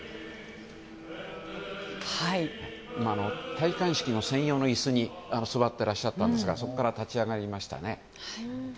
戴冠式の専用の椅子に座ってらっしゃったんですがそこから立ち上がりましたね。